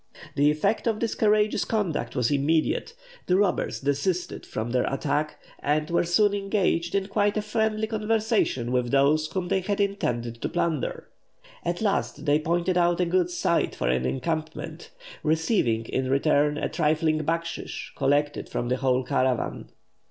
The effect of this courageous conduct was immediate; the robbers desisted from their attack, and were soon engaged in quite a friendly conversation with those whom they had intended to plunder. At last they pointed out a good site for an encampment, receiving in return a trifling backshish, collected from the whole caravan.